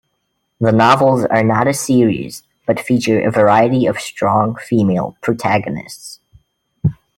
The novels are not a series, but feature a variety of strong female protagonists.